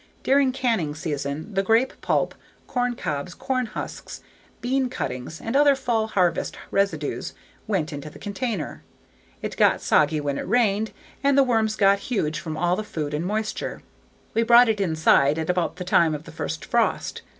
During canning season the grape pulp, corn cobs, corn husks, bean cuttings and other fall harvest residues went into the container. It got soggy when it rained and the worms got huge from all the food and moisture. We brought it inside at about the time of the first frost.